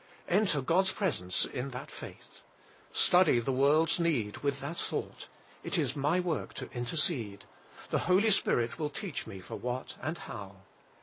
Enter God s presence in that faith. Study the world s need with that thought it is my work to intercede ; the Holy Spirit will teach me for what and how.